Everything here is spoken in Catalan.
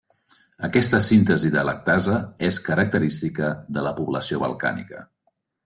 Aquesta síntesi de lactasa és característica de la població balcànica.